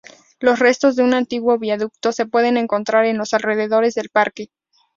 Los restos de un antiguo viaducto se pueden encontrar en los alrededores del parque.